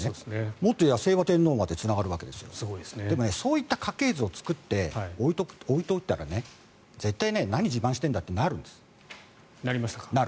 もっと言えば清和天皇までつながるわけですよでもそういった家系図を作って置いておいたら絶対に何自慢してるんだ？ってなりました？